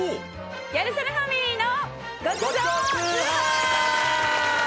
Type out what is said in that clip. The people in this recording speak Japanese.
『ギャル曽根ファミリーの』。